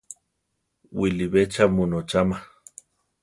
Wiʼlibé cha mu nocháma?